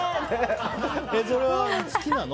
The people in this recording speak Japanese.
それは好きなの？